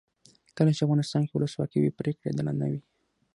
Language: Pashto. کله چې افغانستان کې ولسواکي وي پرېکړې عادلانه وي.